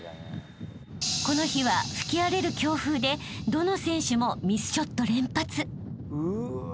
［この日は吹き荒れる強風でどの選手もミスショット連発］